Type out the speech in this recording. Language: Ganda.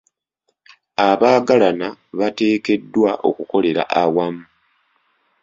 Abaagalana bateekeddwa okukolera awamu.